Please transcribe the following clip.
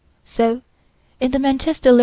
So, in the _Manchester Lit.